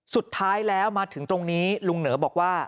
สุดท้ายแล้วมาถึงตรงนี้ลุงเหนอบอกว่า